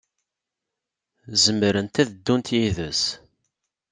Zemrent ad ddun yid-s.